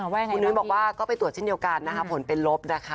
คุณนุ้ยบอกว่าก็ไปตรวจเช่นเดียวกันนะคะผลเป็นลบนะคะ